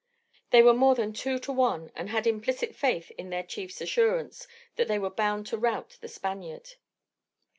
They were more than two to one, and had implicit faith in their chief's assurance that they were bound to rout the Spaniard.